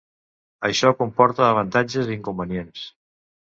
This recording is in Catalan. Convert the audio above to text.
Això comporta avantatges i inconvenients.